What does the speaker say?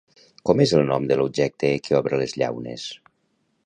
Com és el nom de l'objecte que obre les llaunes?